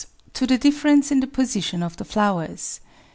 To the difference in the position of the flowers.